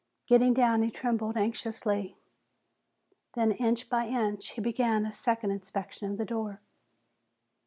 Getting down, he trembled anxiously. Then, inch by inch, he began a second inspection of the door.